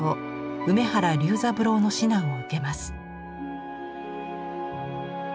梅原龍三郎の指南を受けます。